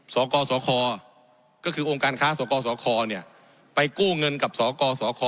สกสคก็คือองค์การค้าสกสคไปกู้เงินกับสกสค